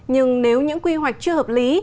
nhưng nếu những quy hoạch chưa hợp lý